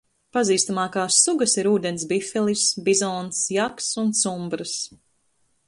Pazīstamākās sugas ir ūdens bifelis, bizons, jaks un sumbrs.